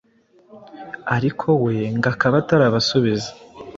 ariko we ngo akaba atarabasubiza